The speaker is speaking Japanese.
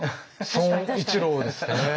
損一郎ですね。